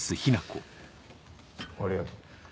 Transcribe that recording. ありがとう。